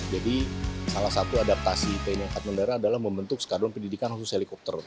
jadi salah satu adaptasi tni akatan udara adalah membentuk skadron pendidikan khusus helikopter